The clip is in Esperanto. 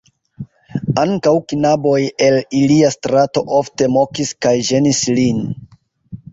Ankaŭ knaboj el ilia strato ofte mokis kaj ĝenis lin.